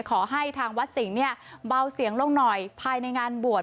ขอให้ทางวัดสิงห์เนี่ยเบาเสียงลงหน่อยภายในงานบวช